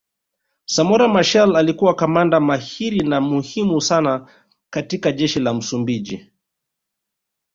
Samora Machel alikuwa kamanda mahiri na muhimu sana katika jeshi la Msumbiji